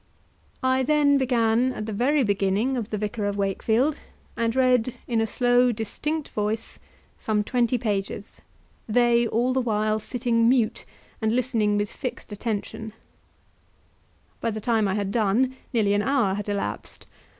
I then began at the very beginning of the "Vicar of Wakefield," and read, in a slow, distinct voice, some twenty pages, they all the while sitting mute and listening with fixed attention; by the time I had done nearly an hour had elapsed.